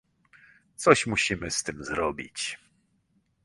Coś musimy z tym zrobić